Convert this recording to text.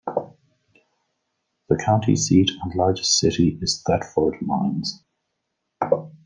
The county seat and largest city is Thetford Mines.